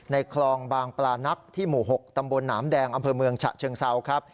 คลองบางปลานักที่หมู่๖ตำบลหนามแดงอำเภอเมืองฉะเชิงเซาครับ